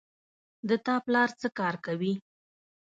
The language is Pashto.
د تا پلار څه کار کوی